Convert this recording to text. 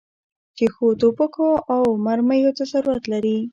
چې ښو توپکو او مرمیو ته ضرورت لري.